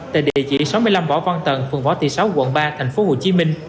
tại địa chỉ sáu mươi năm võ văn tần phường võ thị sáu quận ba tp hcm